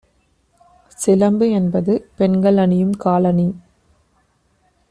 'சிலம்பு' என்பது பெண்கள் அணியும் காலணி